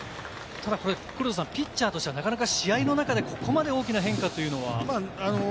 ただ、黒田さん、ピッチャーとしては試合の中でここまで大きな変化というのは？